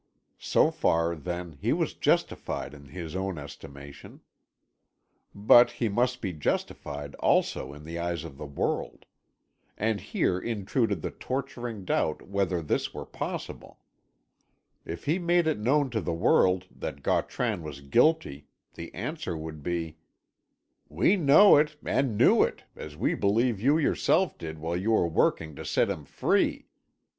So far, then, he was justified in his own estimation. Rut he must be justified also in the eyes of the world. And here intruded the torturing doubt whether this were possible. If he made it known to the world that Gautran was guilty, the answer would be: "We know it, and knew it, as we believe you yourself did while you were working to set him free.